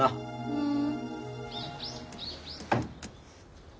うん。